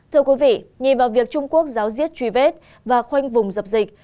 thưa quý vị nhìn vào việc trung quốc giáo diết truy vết và khoanh vùng dập dịch